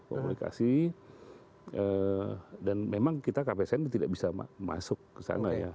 komunikasi dan memang kita kpsn itu tidak bisa masuk ke sana ya